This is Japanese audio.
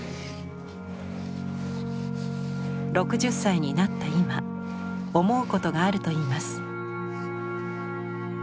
６０歳になった今思うことがあるといいます。